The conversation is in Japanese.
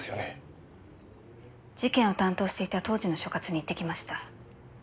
事件を担当していた当時の所轄に行ってきました。